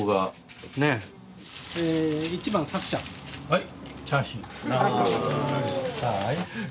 はい。